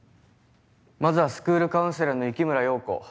まずはスクールカウンセラーの雪村陽子。